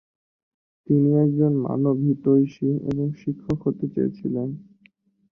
তিনি একজন মানবহিতৈষী এবং শিক্ষক হতে চেয়েছিলেন।